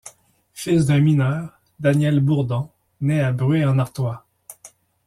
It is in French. Fils d'un mineur, Daniel Bourdon, naît à Bruay-en-Artois.